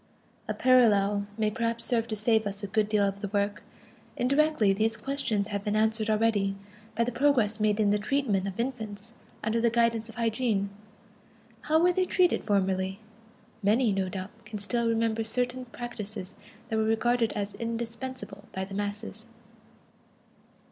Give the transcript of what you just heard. A parallel may perhaps serve to save us a good deal of the work. Indirectly, these questions have been answered already by the progress made in the treatment of infants under the guidance of hygiene. How were they treated formerly? Many, no doubt, can still remember certain practises that were regarded as indispensable by the masses.